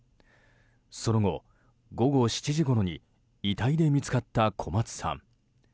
その後、午後７時ごろに遺体で見つかった小松さん。